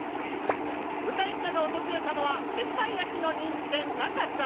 「豚一家」が訪れたのは鉄板焼きの人気店『中ちゃん』！